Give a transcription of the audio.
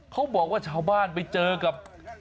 เขาบอกว่าชาวบ้านไปเจอกับ